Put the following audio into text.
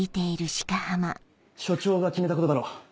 署長が決めたことだろう